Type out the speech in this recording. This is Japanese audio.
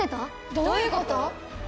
どういうこと？